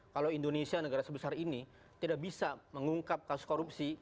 kalau indonesia negara sebesar ini tidak bisa mengungkap kasus korupsi